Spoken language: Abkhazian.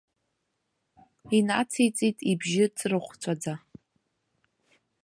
Инациҵеит ибжьы ҵрыхәҵәаӡа.